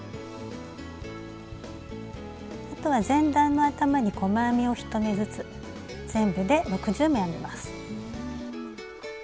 あとは前段の頭に細編みを１目ずつ全部で６０目編みます。